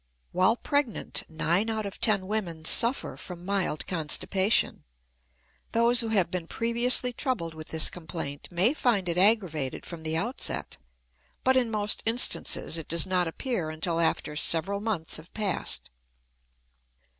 While pregnant, nine out of ten women suffer from mild constipation. Those who have been previously troubled with this complaint may find it aggravated from the outset, but in most instances it does not appear until after several months have passed.